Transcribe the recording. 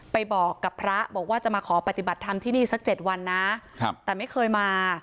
ไปบอกกับพระบอกว่าจะมาขอปฏิบัติธรรมที่นี่สัก๗วันนะครับแต่ไม่เคยมา